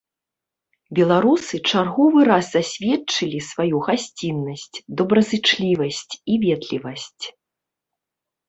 Беларусы чарговы раз засведчылі сваю гасціннасць, добразычлівасць і ветлівасць!